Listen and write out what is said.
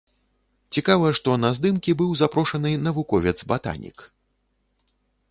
Цікава, што на здымкі быў запрошаны навуковец-батанік.